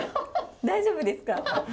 大丈夫ですか？